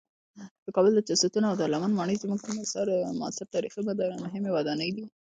د کابل د چهلستون او دارالامان ماڼۍ زموږ د معاصر تاریخ مهمې ودانۍ دي.